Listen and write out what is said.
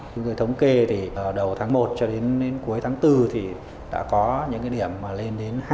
những người thống kê thì đầu tháng một cho đến cuối tháng bốn thì đã có những điểm lên đến hai mươi ngày là có mưa